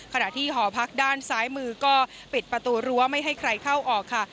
ขณะที่หอพักด้านซ้ายมือก็ปิดประตูรั้วไม่ให้ใครเข้าออกค่ะ